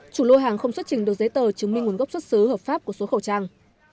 chủ lô hàng không xuất trình được giấy tờ chứng minh nguồn gốc xuất xứ hợp pháp của số khẩu trang